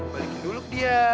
balikin dulu dia